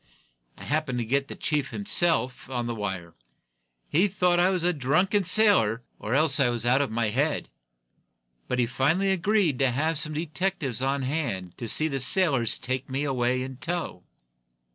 I happened to get the chief himself on the wire. He thought I was a drunken sailor, or else that I was out of my head. But he finally agreed to have some detectives on hand to see the sailors take me away in tow."